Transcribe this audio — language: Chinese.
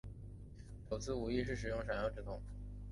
首次无意识使用闪耀之瞳。